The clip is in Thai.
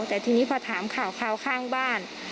แต่ทีนี้พอถามข่าวข้างบ้าน